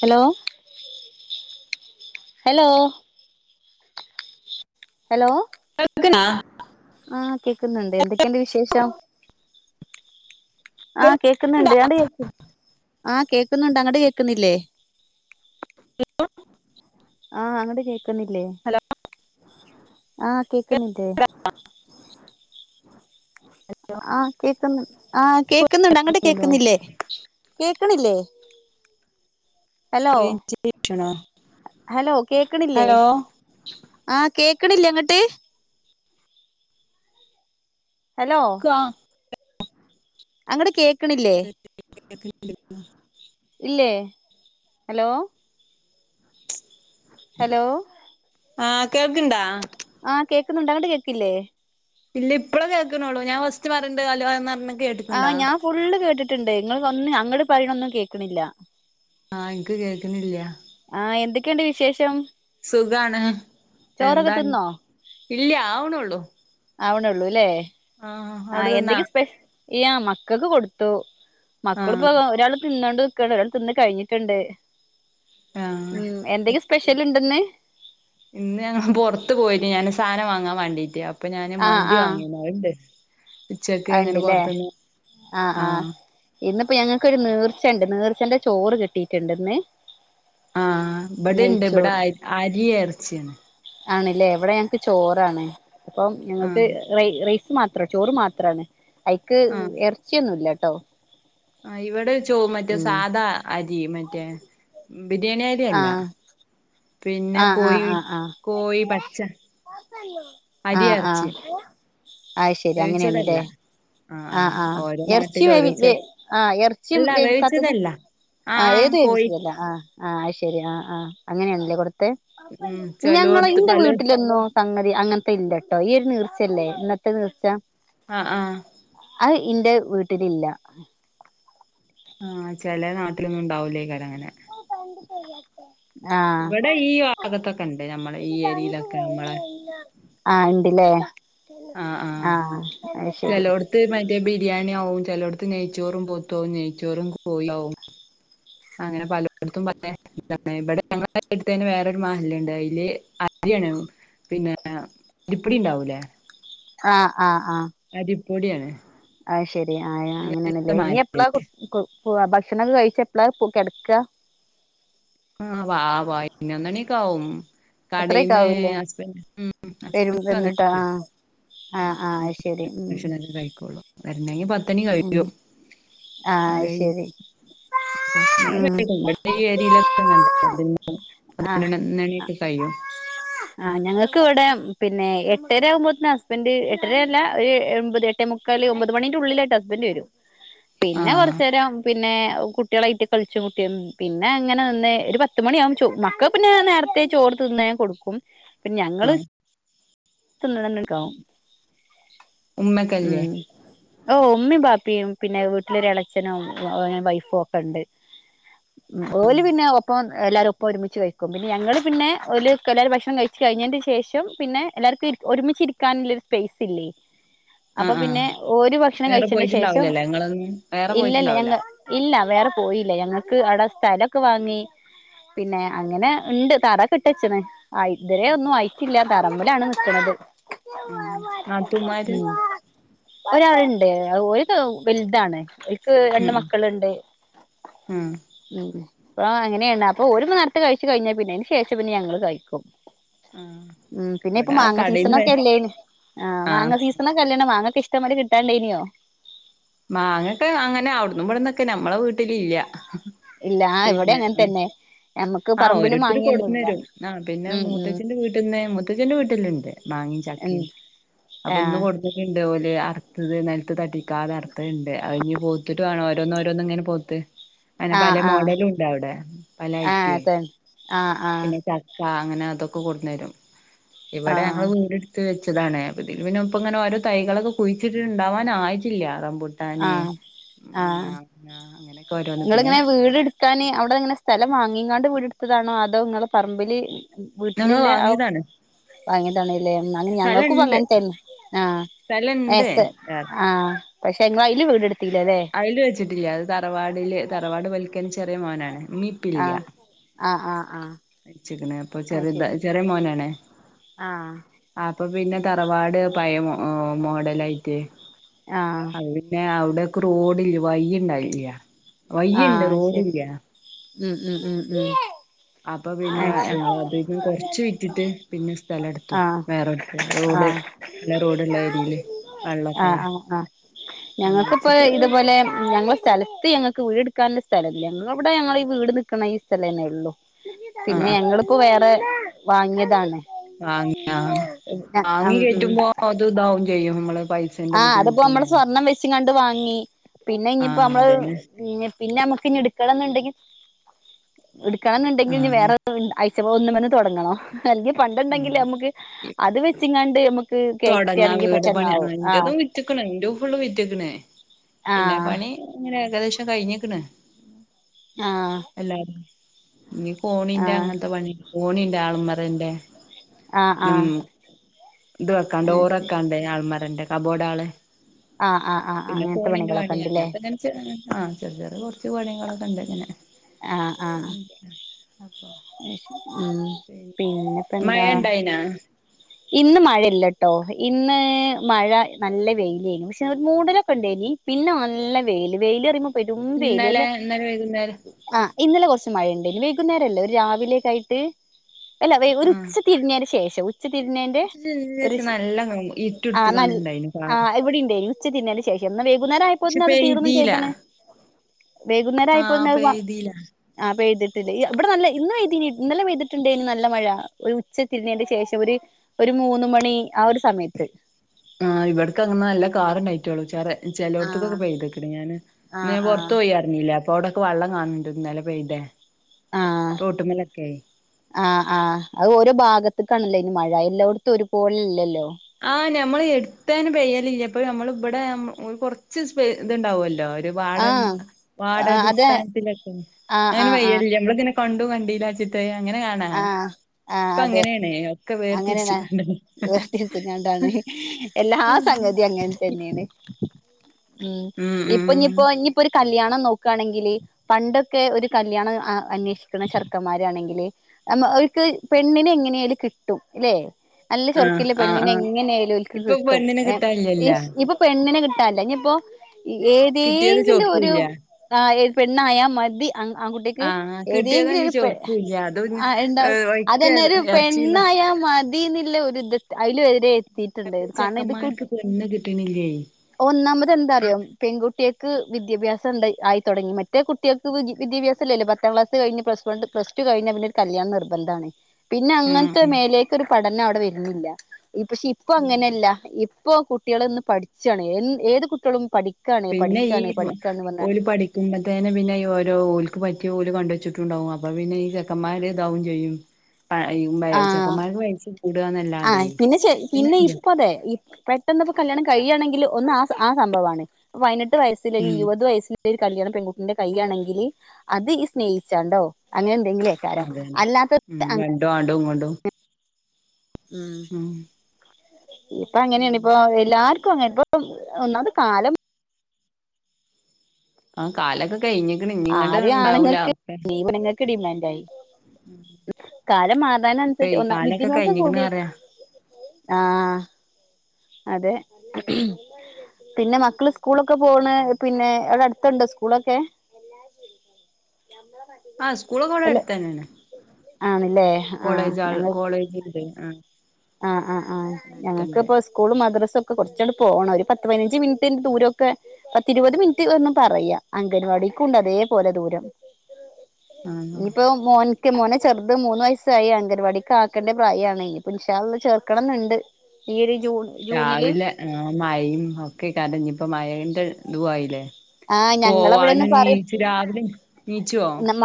Hello hello hello കേൾക്ക്ണാ ആഹ് കേൾക്കുന്നുണ്ട് എന്തൊക്കെയുണ്ട് വിശേഷം ആഹ് കേക്കുന്നുണ്ട് അങ്ങട്ട് കേക്ക ആഹ് കേക്കുന്നുണ്ട് അങ്ങട്ട് കേക്കുന്നില്ലേ ഹലോ ആഹ് അങ്ങട്ട് കേക്കുന്നില്ലേ ആഹ് കേക്കുന്നില്ലേ ആഹ് കേക്കുന്നു ആ കേൾക്കുന്നുണ്ട് അങ്ങട്ട് ഹലോ കേക്കുന്നില്ലേ കേക്ക്ണില്ലേ ഹലോ റേഞ്ച് ഇഷ്യൂണോ ഹലോ കേക്ക്ണില്ലേ ഹലോ ആഹ് കേക്ക്‌ണില്ലേ അങ്ങട്ട് ഹലോ ആഹ് അങ്ങട്ട് കേക്ക്ണില്ലേ എന്തുപറ്റി കേക്കണില്ലല്ലോ ഇല്ലേ ഹലോ ഹലോ ആഹ് കേൾക്ക്ണ്ടാ ആഹ് കേക്കുന്നുണ്ട് അങ്ങട്ട് കേക്ക്ല്ലേ ഇല്ല ഇപ്പളേ കേക്ക്ണാെള്ളൂ ഞാൻ ഫസ്റ്റ് പറയ്ണ്ട് അലോ എന്നർഞ്ഞ് ആഹ് ഞാം ഫുള്ള് കേട്ടിട്ട്ണ്ട് ങ്ങെള് ഒന്ന് അങ്ങട് പറയ്ണൊന്നും കേക്ക്ണില്ലാ ആഹ് ഇൻക്ക് കേക്ക്ണില്ല്യാ ആഹ് എന്തെക്കെണ്ട് വിശേഷം സുഖാണ് ചോറൊക്കെ എന്താ അൻ തിന്നോ ഇല്ല്യാ ആവ്ണാെള്ളു ആവ്ണാെള്ളു ലേ അവിടെ ആഹ് തിന്നാ എന്തൊങ്കിം സ്പെഷ് യാ മക്കക്ക് കൊട്ത്തു ആഹ് മക്കള്പ്പത് ഒരാള് തിന്നാണ്ട് ക്കാണ് ഒരാൾ തിന്ന് കഴിഞ്ഞിട്ട്ണ്ട് സ്പെഷ്യൽ ഉണ്ടെന്ന് ആഹ് ഇന്ന് ഞങ്ങ പൊർത്ത് പോയ്നി ഞാനാെര് സാനം വാങ്ങാം വാണ്ടീട്ട് അ പ്പം ഞാന് ആഹ് മന്തി ആഹ് വാങ്ങീന്നു അത്ണ്ട് ഉച്ചക്ക് അങ്ങെനെ ഉണ്ടല്ലേ പാെർത്ത്ന്ന് ആഹ് ഇന്ന്പ്പം ഞങ്ങക്കൊര് നീർച്ചണ്ട് നീർച്ചന്റെ ചോറ് കിട്ടീട്ട്ണ്ട്ന്ന് ആഹ് ബെടിണ്ട് ബെടെ അയ് അരി എർച്ച്യാണ് ആണ്ലേ ഇവെടെ ഞങ്ങക്ക് ചോറാണ് അപ്പം ആഹ് ഞങ്ങക്ക് റൈ റൈസ് മാത്രം ചോറ് മാത്രാണ് അയ്ക്ക് ആഹ് എർച്ച്യൊന്നുല്ലട്ടോ ആഹ് ഇവെടെ ചോ മറ്റേ സാധാ അരി മറ്റേ ബിര്യാണി അരിയല്ലാ ആഹ് പിന്നെ ആഹ് ആഹ് കോയാെയ് ആഹ് ആഹ് കോയി പച്ച അരി ആഹ് എറച്ചി ആഹ് അയ്ശെരി വേവിച്ചതല്ല അങ്ങെനേണ്ലേ ആഹ് ആഹ് ഓരോ നാട്ടിലു ഓരോ വേവി ചെ വേ ആഹ് ഇറച്ചിയും എല്ലാ വേവിച്ചെതെല്ലാ ആഹ് ആഹ് കോഴി ഇല്ല ആഹ് ആഹ് അയ്ശെരി ആഹ് ആഹ് അങ്ങെനേൺലേ കൊട്ത്തെ ഉം ഞങ്ങളെ ചെലോട്ത്ത് ഇന്റെ പല വീട്ട്ലെന്നു സങ്ങതി അങ്ങെൻത്തെ ഇല്ലട്ടോ ഈ ഒര് നീർച്ചല്ലേ ഇന്നത്തെ നീർച്ചാ ആഹ് ആഹ് അത് ഇന്റെ വീട്ടിലില്ലാ ആഹ് ചെലെ നാട്ടിലൊന്നുംണ്ടാവൂലെയ്ക്കാരങ്ങെനെ ആഹ് ഇവിടെ ഈ ഭാഗത്തൊക്കെ ഇണ്ട് നമ്മളെ ഈ തെണ്ടി തരായ്‌ ഏരിയയിലൊക്കെ നമ്മളെ ആഹ് ആഹ് ഇണ്ട്ലേ ആഹ് അയ്ശരി ത് മറ്റേ ബിര്യാണ്യാവും ചെലോട്ത്ത് നെയ്ച്ചോറും പോത്തു ആവും നെയ്ച്ചോറും കോയ് ആവും അങ്ങനെ പലോട്ത്തും പലേ [unintelligible] ഇബെടെ ഞങ്ങള അട്ത്തെന്നെ വേറൊരു മഹല്ല്ണ്ട് അയ്ല് അര്യാണു പിന്നേ അരിപ്പാെടിണ്ടാവൂലേ ആഹ് ആഹ് ആഹ് അരിപ്പൊട്യാണ് അയ്ശെരി ആഹ് യാ അങ്ങെനേണ്ലേ ഇനി എപ്പ്ളാ കൊ കൊ പോവാ ഭക്ഷണക്കെ കഴിച്ച് എപ്പ്ളാ പൊ‌ കെട്ക്കാ ആഹ് വാ പയ്നൊന്നണ്യൊക്കാവും അത്രയൊക്കെ കടീന്ന് ആവൂല്ലേ ഹസ്ബന്റ് ഉം ഉം വരും ഹസ്ബന്റ് വന്നിട്ട് ആ വന്ന്ട്ടില്ലേ ആഹ് ആഹ് അയ്ശരി ഉം വെര്ണെങ്കി പത്തണി ഉം കഴിയും ആഹ് അത് കഴിഞ്ഞ് ശരി ഉം [unintelligible] [unintelligible] ആഹ് പതിനാെന്നണ്യൊക്കെ കയ്യും ആഹ് ഞങ്ങക്ക് ഇവടെ പിന്നെ എട്ടര ആവുമ്പോത്തിനു ഹസ്ബൻഡ് എട്ടരയല്ല ഒരു എൺപത് എ ട്ടെമുക്കാൽ ഒമ്പത് മണിന്റെ ഉള്ളിലായിട്ട് ഹസ്ബൻന്റ് വരും പിന്നെ ആഹ് കൊറചേരം പി ന്നേ കുട്ട്യേളായിട്ട് കളിച്ചും കുട്ടിയ പിന്നെ ഇങ്ങനെ വന്ന് ഒരു പത്ത് മണിയാവും ചോ മക്കക് ക് പിന്നെ നേരത്തെ ചോറ് തിന്നാഞാൻ കൊടുക്കും. പിന്നെ ഞങ്ങള് ആഹ് തിന്ന്ണ നൊന്നണിക്കാവും ഉം ഉമ്മക്കല്ലേ ഓഹ് ഉമ്മീം ബാപ്പിം പിന്നെ വീ ട്ട്ലൊരെളച്ചനും ഓന് വൈഫും ഒക്കെണ്ട്. ഓല് പിന്നെ ഒപ്പം എല്ലാവരും ഒപ്പം ഒരുമിച്ച് കഴിക്കും. പിന്നെ ഞങ്ങൾ പിന്നെ ഓല്കെല്ലാരും ഭക്ഷണം കഴിച്ച് കഴിഞേന്റെ ശേഷം പിന്നെ എല്ലാർക്കും ഇരി ഒരുമിച്ച് ഇരിക്കാന്ല്ലൊരു സ്പേസ് ഇല്ലേയ്. അപ്പൊ ആഹ് പിന്നെ ഓര് ഭക്ഷണം കഴിച്ചേന്റെ ശേഷം നിങ്ങള [unintelligible] ഇല്ലല്ല ഞങ്ങ് ഇല്ല വേറെ പോയില്ല. ഞങ്ങക്ക് അവടെ സ്ഥലൊക്കെ വാങ്ങി. പിന്നെ അങ്ങനെ ഇണ്ട്. തറക്കെ ഇട്ടച്ച്ണ്. ആയി ഇതരെ ഒന്നും ആയിറ്റില്ല. തറമ്മലാണ് നിക്ക്ണത്. ഉം നാത്തൂമാര് ഉം ഒരാള്ണ്ട് ഔഹ് ഓൽക്കെ വെൽതാണ്. ക് രണ്ട് ഉം മക്കള്ണ്ട്. ഉം അങ്നെ. ഇവടെ അങ്ങനെണ് അപ്പൊ ഓര്പ്പ നേരത്തെ കഴിച്ചു കഴിഞ്ഞാ പിന്നെ അയ്ന് ശേഷം പിന്നെ ഞങ്ങൾ കഴിക്കും. ആ ഉം പിന്നെ ഇപ്പൊ ഇവിടെ മാങ്ങ കടേന്ന് സീസണൊക്കെ അല്ലേന്യോ, ആഹ് ആ മാങ്ങ സീസണൊ ക്കല്ലേണൊ മാങ്ങൊക്കെ ഇഷ്ടം പോലെ കിട്ടാണ്ടായ്ന്യോ? മാങ്ങൊക്കെ അങ്ങനെ അവ്ട്ന്നും ഇബട്ന്നൊക്കെ, ഞമ്മളെ വീട്ടിലില്ല്യ. ഇല്ല ആഹ് ഇവടെ അങ്ങൻ തന്നെ. ഞമ്മക്ക് ആഹ് പറമ്പില് ഓരോരുത്തർ കൊടുന്ന് മാങ്ങയൊന്നുല്ല തരും. ആഹ് പിന്നെ ഉം ഉം മൂത്തച്ഛന്റെ വീട്ട്ന്ന്, മൂത്തച്ഛന്റെ വീട്ട്ല്ണ്ട്. മാങ്ങിം ഉം ചക്കിം അപ്പ ഇന്ന് ആഹ് കൊട്ന്ന്ട്ട്ണ്ട് ഓല് അറ്ത്തത് നെലത്ത് തട്ടിക്കാതെ അർ ത്തത്ണ്ട്. അത്ഞ് പൊവ്ത്ത്ട്ട് വാണം ഓരോന്ന് ഓരോന്ന് ഇങ്ങനെ പൊവ്ത്ത്. അങ്ങനെ ആഹ് പലേ ആഹ് മോഡലും ഉണ്ട് അവ്ടെ. പല ആഹ് ഐറ്റ്വേ. അതന്നെ ആഹ് ആഹ് പിന്നെ ച ക്ക അങ്ങനെ അതൊക്കെ കൊടുന്നരും. ഇവടെ ഞങ്ങള് ആഹ് വീട് ട് ത്ത് വെച്ചതാണ്. അപ്പതില് പിന്നെ ഇപ്പം ഇങ്ങനെ ഓരോ തൈകളൊക്കെ കുഴിച്ചിട്ടിട്ട്ണ്ടാവാൻ ആയിട്ടില്ല റംമ്പൂ ട്ടാൻ ആഹ് ഉംമാങ്ങ അങ്ങനെ ഇങ്ങള് ഇങ്ങനെ വീട് ട്ക്കാന് അവ്ടന്ന്ങ്ങനെ സ്ഥലം വാങ്ങിങ്ങാണ്ട് വീട് ഇട്ത്തതാണോ അതോ ഇങ്ങളെ പറമ്പില് ഞങ്ങള് വീട്ടിലില്ലെ ആ വാങ്ങിയതാണ് വാങ്ങിയതാണ്ല്ലേ അങ്ങനെ. ഞങ്ങക്കും സ്ഥലണ്ട് ഇപ്പങ്ങൻത്തെന്നെ. ആഹ് ഏഹ് സ്ഥലണ്ട് സ്ഥെ ആഹ് പക്ഷെ ഇങ്ങള് അയില് വീട് ഇട്ത്തീല്ല ല്ലെ. അയ്ല് വെച്ചിട്ടില്ല. അത് തറവാടില് തറവാട് ഇവൽക്കെന്നെ ചെറിയ മോനാണ്. ഇമ്മി ആഹ് ആഹ് ആഹ് ആഹ്. മരിച്ച്ക്ക്ണ്. അപ്പൊ അത് ചെറിത ശരി ചെറിയ മോനാണ്. ആഹ് അപ്പൊ പിന്നെ തറവാട് പയേ മൊ മോഡലായിറ്റ്. ആഹ് അപ്പ പിന്നെ അവിടെക്ക് റോഡില്ല വയ്യ് ഇണ്ടായില്ല്യ. ആഹ് ശരി ഉം ഉം ഉം ഉം. അപ്പൊ പിന്നെ അത് ശരി ഞങ്ങളതിന്ന് കൊർച്ച് വിറ്റിട്ട് പിന്നെ സ്ഥലെട്ത്തു. ആഹ് വേറെട്ത്ത്. റോഡ് ആഹ് ആഹ് നല്ല റോഡ്ള്ള ഏരിയേല്. വെള്ളൊക്കെള്ളെ. അങ്ങനെ ഞങ്ങക്കിപ്പ വെച്ചിട്ട് ഇ തുപോലെ ഞങ്ങളെ സ്ഥലത്ത് ഞങ്ങക്ക് വീട് ഇട്ക്കാൻല്ലെ സ്ഥലല്ല. ഞങ്ങള് ഇവടെ ഞങ്ങള് ഈ വീട് നിക്ക്ണ ഈ സ്ഥലന്നെ ഉള്ളു. ആ പിന്നെ ആ ഞങ്ങള് പ്പൊ വേറെ വാങ്ങിയതാണ്. വാങ്ങിയാ. വാങ്ങി ഉം ഉം കേറ്റുമ്പോ അത് ഇതാവും ചെയ്യും. നമ്മള് പൈ ആഹ് അത് പ്പം നമ്മള് സ്വർണം വെച്ച്ങ്ങാണ്ട് വാങ്ങി. പിന്നെ ആ ഇഞ്പ്പോ ഞമ്മള് അതന്നെ ഇഞ് പിന്നെ നമുക്ക് ഇനി എടുക്കണം എന്നുണ്ടെങ്കിൽ എടുക്കണം ആ എന്നുണ്ടെങ്കിൽ ഇ വേറെ ഒന്നുമമന്ന് തുടങ്ങണോ അല്ലങ്കി ഉം പണ്ടണ്ടെങ്കിൽ നമുക്ക് അത് വെച്ചങ്ങാണ്ട് നമുക്ക് ക്ക്കേൾക്കയാണെങ്കിൽ പറ്റന്നാവും ഇൻ്റതും വിറ്റ് ക്ക് ണ് ന്റ തും ഫുളള് വിറ്റ് ക്ക് ണ് പിന്നെ ആഹ് പണി അങ്ങനെ ഏകദേശം കഴിഞ്ഞിക്ണ് ആഹ് എല്ലാരും ഇനി കോണിന്റെ ആഹ് അങ്ങനത്തെ പണി കോണിന്റെ ആളമറന്റെ ആഹ് ആഹ് ഇത് വെക്കാണ്ട ആഹ് ഡോർ ശരി വക്കാണ്ട് ആൾമാരന്റെ കബോർഡ ആള് ആഹ് ആഹ് ആഹ് പിന്നെ അങ്ങനത്തെ കൊണിന്റെ പണികളൊക്കെ പണി അങ്ങൻ ഉണ്ടല്ലേ ത്ത ആ ചെറിയ ചെറി കുറച്ചു പണി കളൊക്കെ ഉണ്ട് ഇങ്ങനെ ആഹ് ആഹ് അപ്പ ഉം പിന്നെപ്പോ എന്താ പിന്നാ ഇന്ന് മഴല്ലട്ടോ ഇന്ന് മഴ നല്ല വെയില് ആയിരുന്നു പക്ഷെ മൂടലൊക്കെ ണ്ടായിനി പിന്നെ നല്ല വെയില് വെയില പറിയുമ്പോ പെരും വെയില് അല്ല ഇന്നലെ ഇന്നലെ വൈകുന്നേരം ആ ഇന്നലെ കുറച്ച് മഴയുണ്ട് വൈകുന്നേരല്ലേ ഒരു രാവിലേക്കായിട്ട് അല്ല ഒരു ആ ഉച്ച തിരിഞ്ഞതിന് ശേഷം ഉച്ചതിരിഞ്ഞതിന്റെ ഒരു ച്ച് നല്ല ആ ഇരുട്ടെടുത്ത് കണ്ടുണ്ടായിന് ആ കാറ് ഇവിടെണ്ടയ്നി ഉച്ച തിരിഞ്ഞതിന് ശേഷം എന്നാ വൈകുന്നേരം പക്ഷെ ആയപ്പോത്തിന് അത് തീർന്നും പെയ്തീല ചെയ്ത് ണ് വൈകുന്നേ രായപോൾതിന് അത് ആ അപ്പൊ പെയ്തിട്ടില്ലേ? ഇവിടെ നല്ല ഇന്ന് പെയ്തിനി ഇന്നലെ പെയ്തിട്ടുണ്ട് ഇനി നല്ല മഴ ഒരു ഉച്ച തിരിഞ്ഞതിന്റെ ശേഷം. ഒരു ഒരു മൂന്ന് മണി ആ ഒരു സമയത്ത്. ആ ഇവിടക്ക അങ്ങെ നല്ല കാറിണ്ടായിട്ടോള്ളൂ ചോറേ ചെലോടത് ആഹ് കൊക്കെപെയ്ത് ക്ക്ണ്ണ്, ഞാൻ ഇന്ന് ആഹ് ഞാൻ ആഹ് പുറത്ത് പോയാ ല്ല അപ്പൊ അവിടൊക്കെ വെള്ളം കാണുന്നുണ്ട്, ഇന്നലെ പെയ്തെ ആഹ് തോട്ടുമ്മലൊക്കെ, ആ ആഹ് ആഹ് അത് ഓരോ ഭാഗത്തക്കാണല്ലോ ഇനി മഴ എല്ലായിടത്തും ഒരു പോലല്ലല്ലോ?. ആഹ നമ്മള് എടുത്താന് പയ്യല ഇല്ല അപ്പൊ നമ്മള ഇവിടെ കുറച്ച് ഇത്ണ്ടാവുമല്ലോ വാഡ ആഹ് ആഹ് അതെ വാർഡടിസ്ഥാനത്തിലൊക്കെ, ആഹ് അങ്ങനെ ആഹ് ആഹ് പെയ്യലില്ലെ [unintelligible] പണ്ടു [unintelligible] അങ്ങനെ കാണാ ആഹ് ആഹ് ഇപ്പ അതെ അങ്ങനെയണേ ഒക്കെ വേർ തിരിച്ച് കണാ പിന്നെന്താണ് എല്ലാ സംഗതി അങ്ങനെ തന്നെയാണ്. ഉം ഇപ്പൊ ഞ്ഞിപ്പോ ഇനിപ്പോ ഒരു കല്യാണം നോക്കാണെങ്കില്?. പണ്ടൊക്കെ ഒരു കല്യാണം അന്വേഷിക്കണ ചെറുക്കന്മാരാണെങ്കില് നമ്മ അവക്ക് പെണ്ണിനെ എങ്ങനെയാലും കിട്ടും, അല്ലെ. നല്ല ആഹ് ചുറുക്കില്ല ആഹ് പെണ്ണിനെ ആഹ് എങ്ങനെയായാലും ഓൽക്ക് ഇപ്പൊ കിട്ടും, പെണ്ണിനെ കിട്ടാനില്ലല്ല എ ഇപ്പൊ പെണ്ണിനെ കിട്ടാനില്ല ഇനിയിപ്പോ കിട്ടിയത് ഏതെങ്കിലും ഒരു. ചോർക്കൂല്ല ആ ഏത് പെണ്ണായ മതി ആകുട്ടിക്ക് ആഹ് ഏതെങ്കിലും കിട്ടിയതഞ്ഞ് ഒരു പെ ചോർക്കൂല്ല അത് ആ ഉണ്ടാവും. ഒഴിക്ക അതന്നെ ഒരു ഇറച്ചി പെണ്ണായ മതിന്നില്ല ഒരു ഇത് അതില് വരുയെ എത്തിട്ടുണ്ട്, കാരണം ഇത് കിട്ടു ചെക്കന്മാർക്ക് പെണ്ണ് കിട്ടണില്ലേ ഒന്നാമത് എന്താ അറിയോ? പെൺകുട്ടികൾക്ക് വിദ്യാഭാസം ഉ ണ്ടായി ആയി തുടങ്ങി, മറ്റേ കുട്ടികൾക്ക് വിദ്യാഭ്യാസം ഇല്ലല്ലോ പത്താം ക്ലാസ് ക കഴിഞ്ഞു പ്ലസ് ണ്ട് പ്സ ടു കഴിഞ്ഞ പിന്നെ കല്യാണം നിർബന്ധമാണ്. പിന്നെ ആഹ് അങ്ങനത്തെ ആഹ് മേലേക്ക് ഒരു പഠനം അവിടെ വരുന്നില്ല. ഈ പക്ഷെ ഇപ്പൊ അങ്ങനെയല്ല, ഇപ്പോ കുട്ടികള് ഒന്ന് പഠിച്ചാണ് ഏത് കുട്ടികളും പഠിക്ക പിന്നെ ഈ ഒരു പഠി കത്തുമ്പത്തേെ പിന്നെ ഈ ഓരോ ഓലക്ക് പറ്റിയ ഓല് കണ്ടുവെച്ചിട്ടുണ്ടാവും അപ്പൊ പിന്നെ ഈ ചെക്കന്മാർ ഇതാവും ചെയ്യും. പ ഈ [unintelligible] ആഹ് ചെക്കന്മാർക്ക് വയസ് കൂടുക എന്നല്ലാതെ ആഹ് പിന്നെ ശ പിന്നെ ഇപ്പ അതെ പെട്ടെന്ന്പ്പോ കല്യാണം കഴിയയാണെങ്കിൽ ഒന്ന് ആഹ ആഹ സംഭവമാണ് പതിനെട്ട് വയസിൽ ഉം ഇരുപത് വയസിൽ ഒരു കല്യാണം പെൺകുട്ടിന്റെ കൈയാണെങ്കില് അത് ഈ സ്നേഹിച്ചാണ്ടോ അങ്ങനെ എന്തെങ്കിലയിരിക്കും അതന്നെ ഉം രണ്ടും ആങ്ങ്ണ്ടും, ഇങ്ങണ്ടും ഉം ഇപ്പൊ അങ്ങനെയാണ് ഇപ്പൊ എല്ലാവർ പ്പോ [unintelligible] ഒന്നാത് കാലം. ആഹ കാലക ആദ്യം ആണുങ്ങൾക്ക്, പെണുങ്ങൾക്ക് ഡിമാൻഡ ആയി. കാലം മാറാന ഇപ്പെ അനുസരിച്ച് ഒന്ന് കാലൊക്കെ വിദ്യാഭ്യാസം കഴിഞ്ഞിക്കണ് കൂടി പറയാ ആഹ അതെ, പിന്നെ മക്കള് സ്കൂളൊക്കെ പോണ് പിന്നെ അവിടെ ണ്ടാ സ്കൂളൊക്കെ ആഹ സ്കൂളു കൂടെ അല്ല അടുത്ത് തന്നെയാണ്. ആണല്ലേ ആഹ് കോളേജ് ആഹ കോളേജ് ഉണ്ട്, ആഹ ആഹ ആഹ ആഹ ഞങ്ങക്ക്പ്പ സ്കൂള് മദ്രസ ഒക്കെ കുറച്ചൂടെ പോണം ഒരു പതിനഞ്ച് മിനിന്റെ ദൂരമൊക്കെ പത്തിരുപത് മിനിറ്റ് ഒന്നും പറയാ, അംഗൻവാടിക്കുണ്ട് അതേപോലെ ദൂരം. ആ ആ ഇനിയിപ്പോ മോൻക്ക് മോനെ ചെറുത് മൂന്ന് വയസ്സായി അങ്കൻവാടിക്ക് ആക്കേണ്ട പ്രായമാണ് ഇനി ചേർക്കണം എന്നുണ്ട്, ഈ ഒരു ജൂൺ. ജൂണില് രാവിലെ ആഹ മഴയും ഒക്കെ കണ്ടഞ്ഞ ഇപ്പ മഴന്റെ ഇതും ആയില്ലേ?. ആഹ് ഞങ്ങളവിടെന്ന് പോവാനും പറയും നീച്ച് രാവിലെ നീച്ചുവോ?. നമ്മ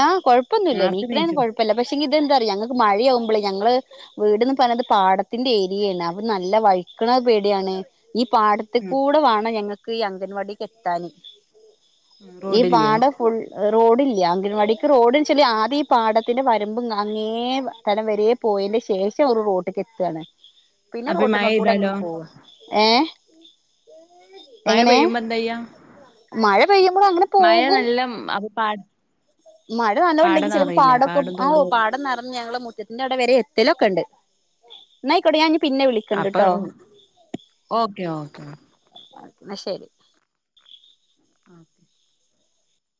ആഹ് കുഴപ്പമില്ല. എണിക്കുന്നതിനി നേർത്തെ ഇടടെയന്നും നീച്ചും കുഴപ്പമില്ല പക്ഷെ ഇതെന്താ പറയാ ഞങ്ങക്ക് മഴയാവുമ്പളേ ഞങ്ങള് വീട്ന്ന് പറഞ്ഞത് പാടത്തിന്റെ ഏരിയാണ് അത് നല്ല വഴിക്കണത് പേടിയാണ്. ഈ പാടത്തിൽ കൂടെ വേണം, ഞങ്ങക്ക് ഈ അംഗൻവാടിക്ക് എത്താന്. ഉം ഈ റോഡില്ലേ പാടം. ഫുൾ റോഡില്ല അങ്കണവാടിക്ക് റോഡ്ചാല് ആദ്യയി പാടത്തിന്റെ വരമ്പ് അങ്ങേ തലം വരേ. പോയന്റെ ശേഷം ഒരു റോഡ് കെട്ടാണ്. പിന്നെ അപ്പൊ മഴെയ്താലോ റോട്ട്മക്കൂടെങ്ങനെ പോവും ഏഹ്. മഴ എങ്ങനെ പെയ്യുമ്പോന്തയ്യാ. മഴ പെയ്യുമ്പോൾ അങ്ങനെ. മഴ പോകും നല്ല അപ്പൊ പാട. മഴ പാടം നല്ലോംണ്ടെങ്കിൽ ചിലപ്പോ നറയില്ലേ പാടൊക്കെ പാടം ആഹ ഓഹ തോടും പാടം നിറഞ്ഞ ഞങ്ങളെ മുറ്റ. ന്റെ അവിടെ വരെ എത്തലൊക്കെണ്ട് ന്ന അയ്ക്കോട്ടെ ഞാൻഞ്ഞിപിന്നെ വിളി. അപ്പ ഉഹ് ഓക്കെ ഓക്കെ. അഹ്‌ ന്ന ശരി. [inaudible]